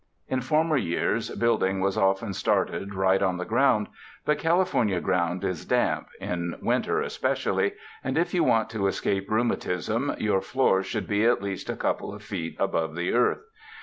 In former years, building was often started right on the ground, but California ground is damp, in winter especially; and if you want to escape rheu matism, your floors should be at least a couple of feet above the earth.